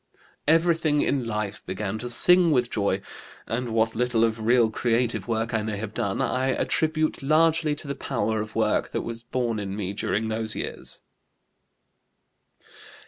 "Everything in life began to sing with joy, and what little of real creative work I may have done I attribute largely to the power of work that was born in me during those years."